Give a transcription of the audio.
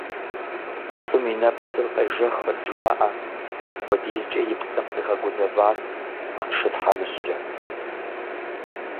Шым и нэпсыр къежэхырт жаӏэ, апхуэдизкӏэ и псэм къигъэгузэват а шы тхьэмыщкӏэр.